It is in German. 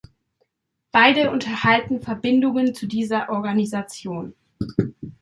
Beide unterhalten Verbindungen zu dieser Organisation.